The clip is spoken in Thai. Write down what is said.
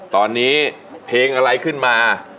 ตอนนี้เพลงอะไรขึ้นมา